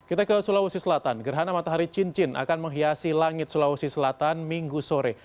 kita ke sulawesi selatan gerhana matahari cincin akan menghiasi langit sulawesi selatan minggu sore